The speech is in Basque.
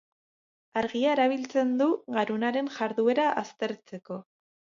Argia erabiltzen du garunaren jarduera aztertzeko.